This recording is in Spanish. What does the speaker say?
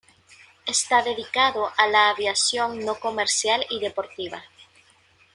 Está dedicado a la aviación no comercial y deportiva.